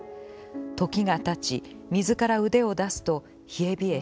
時がたち、水から腕を出すと冷えびえした。